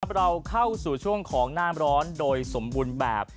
เราเข้าสู่ช่วงของน้ำร้อนโดยสมบูรณ์แบบ